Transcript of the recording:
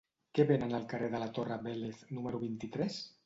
Què venen al carrer de la Torre Vélez número vint-i-tres?